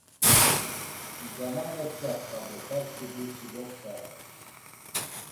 Gamagoç̌apxa do tersi bursi goktare.